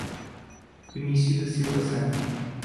Benicio da Silva Santos